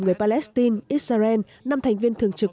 người palestine israel năm thành viên thường trực